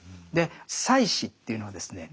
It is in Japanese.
祭司というのはですね